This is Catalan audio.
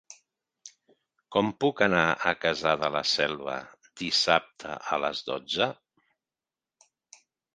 Com puc anar a Cassà de la Selva dissabte a les dotze?